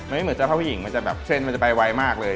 มันไม่เหมือนเสื้อผ้าผู้หญิงมันจะแบบเทรนด์มันจะไปไวมากเลย